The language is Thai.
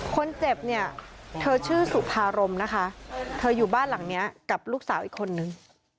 คนเจ็บเนี่ยเธอชื่อสุภารมนะคะเธออยู่บ้านหลังนี้กับลูกสาวอีกคนนึง